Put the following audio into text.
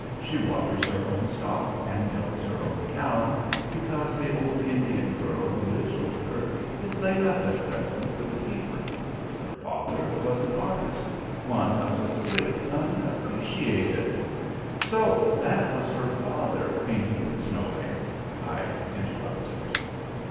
She waters her own stock and milks her own cow, because the old Indian girl who lives with her is laid up at present with a fever. Her father was an artist one of the great unappreciated" "So that was her father painting the Snow Bank?" I interrupted.